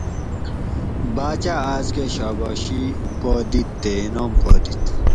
باچاۤ آۤس کہ شاباشی پا دِیت تے انعام پا دِیت